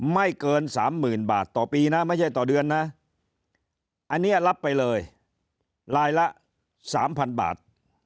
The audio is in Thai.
ไม่เกิน๓๐๐๐บาทต่อปีนะไม่ใช่ต่อเดือนนะอันนี้รับไปเลยรายละ๓๐๐๐บาท